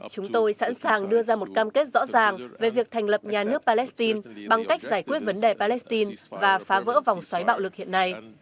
chúng tôi sẵn sàng đưa ra một cam kết rõ ràng về việc thành lập nhà nước palestine bằng cách giải quyết vấn đề palestine và phá vỡ vòng xoáy bạo lực hiện nay